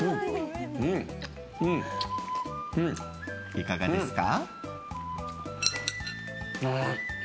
いかがですか？